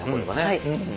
はい。